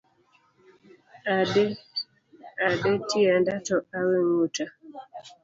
Ade tienda to awe nguta